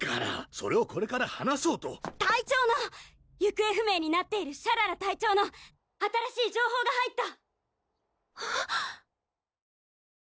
それをこれから話そうと隊長の行方不明になっているシャララ隊長の「新しい情報が入った！」